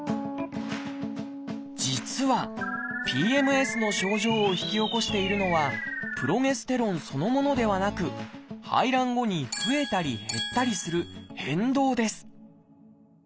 実はＰＭＳの症状を引き起こしているのはプロゲステロンそのものではなく排卵後に増えたり減ったりする変動です